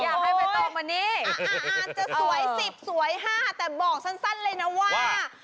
อาจจะสวยสิบสวยห้าแต่บอกสั้นเลยนะว่า